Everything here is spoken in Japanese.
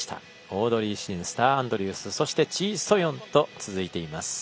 オードリー・シンスター・アンドリュースそしてチ・ソヨンと続いています。